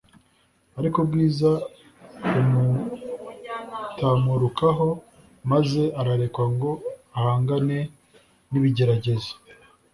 Ariko ubwiza bumutamurukaho, maze ararekwa ngo ahangane n'ibigeragezo.